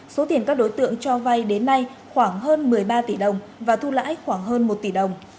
số tiền các đối tượng cho vay đến nay khoảng hơn một mươi ba tỷ đồng và thu lãi khoảng hơn một tỷ đồng